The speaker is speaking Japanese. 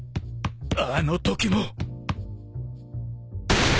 あのときも。